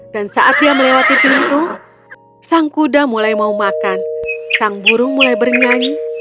dan saat dia melewati pintu sang kuda mulai mau makan sang burung mulai bernyanyi